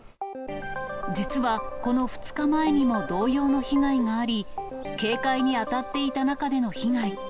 実は、この２日前にも同様の被害があり、警戒に当たっていた中での被害。